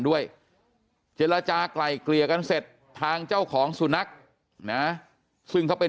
ด้วยเจรจากลายเกลี่ยกันเสร็จทางเจ้าของสุนัขนะซึ่งเขาเป็น